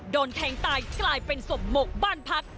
โดนแทงตายกลายเป็นศพหมกบ้านพัก